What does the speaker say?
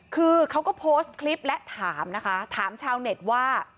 คือเขาก็โพสต์คลิปและถามนะคะถามชาวเน็ตว่า